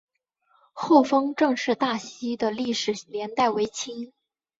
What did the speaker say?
厚丰郑氏大厝的历史年代为清。